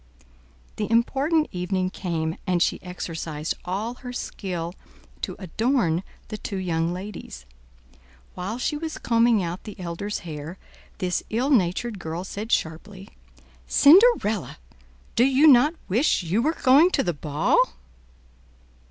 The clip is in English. The important evening came, and she exercised all her skill to adorn the two young ladies. While she was combing out the elder's hair, this ill natured girl said sharply, "Cinderella, do you not wish you were going to the ball?"